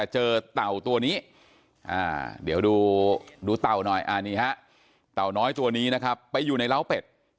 เต่าตัวนี้เดี๋ยวดูเต่าหน่อยอันนี้ฮะเต่าน้อยตัวนี้นะครับไปอยู่ในร้าวเป็ด